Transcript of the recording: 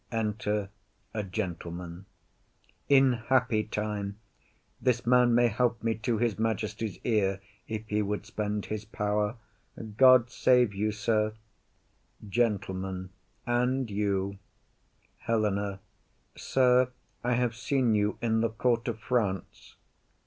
In happy time;— Enter a Gentleman. This man may help me to his majesty's ear, If he would spend his power. God save you, sir. GENTLEMAN. And you. HELENA. Sir, I have seen you in the court of France.